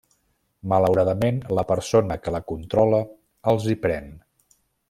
Malauradament la persona que la controla els hi pren.